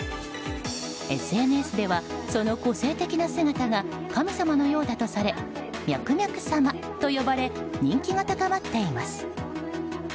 ＳＮＳでは、その個性的な姿が神様のようだとされミャクミャク様と呼ばれ人気が高まっています。